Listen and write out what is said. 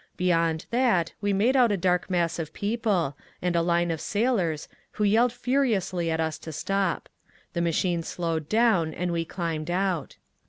Beyond that we made out a dark mass of people, and a line of sailors, who yelled furiously at us to stop. The machine slowed down, and we climbed out.